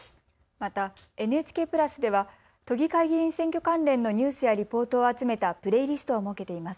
また、ＮＨＫプラスでは都議会議員選挙関連のニュースやリポートを集めたプレイリストを設けています。